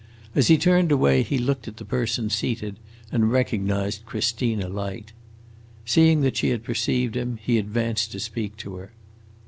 As he turned away he looked at the person seated and recognized Christina Light. Seeing that she perceived him, he advanced to speak to her.